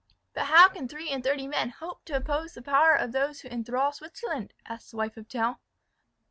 "But how can three and thirty men hope to oppose the power of those who enthral Switzerland?" asked the wife of Tell.